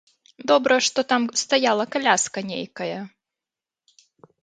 Добра, што там стаяла каляска нейкая.